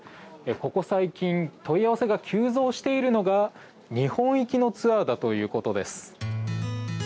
ここ最近問い合わせが急増しているのが日本行きのツアーだということです。